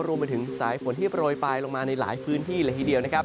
รวมไปถึงสายฝนที่โปรยปลายลงมาในหลายพื้นที่เลยทีเดียวนะครับ